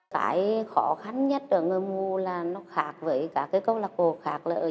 cái khó khăn nhất ở người mù là nó khác với các cấp lác vào kè tự